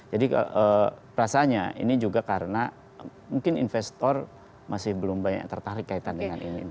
jadi rasanya ini juga karena mungkin investor masih belum banyak tertarik kaitan dengan ini